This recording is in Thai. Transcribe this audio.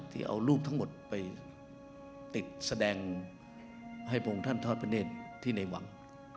ที่เอารูปทั้งหมดไปติดแสดงให้พระองค์ท่านทอดพระเนธที่ในหวัง